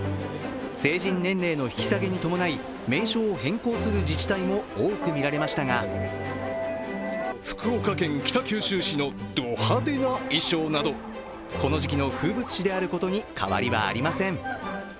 成人年齢の引き下げに伴い名称を変更する自治体も多く見られましたが福岡県北九州市のド派手な衣装などこの時期の風物詩であることに変わりはありません。